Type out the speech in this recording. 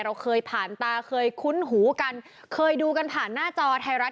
เราเคยผ่านตาเคยคุ้นหูกันเคยดูกันผ่านหน้าจอไทยรัฐ